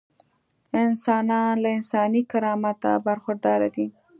انسانان له انساني کرامته برخورداره دي.